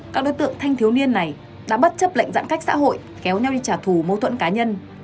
các đối tượng thanh thiếu niên này đã bất chấp lệnh giãn cách xã hội kéo nhau đi trả thù mâu thuẫn cá nhân